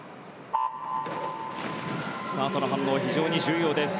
スタートの反応は非常に重要です。